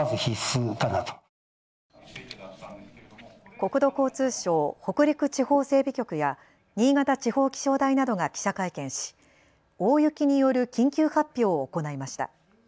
国土交通省・北陸地方整備局や新潟地方気象台などが記者会見し大雪による緊急発表を行いました。